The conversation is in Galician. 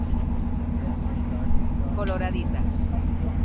Coloraditas.